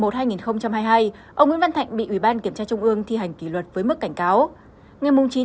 tháng một mươi một hai nghìn hai mươi hai ông nguyễn văn thạnh bị ủy ban kiểm tra trung ương thi hành kỷ luật với mức cảnh cáo